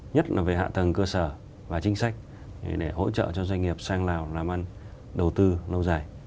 nhất là về hạ tầng cơ sở và chính sách để hỗ trợ cho doanh nghiệp sang lào làm ăn đầu tư lâu dài